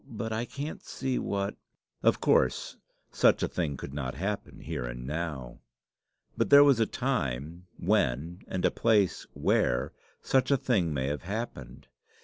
But I can't see what " "Of course such a thing could not happen here and now. But there was a time when and a place where such a thing may have happened.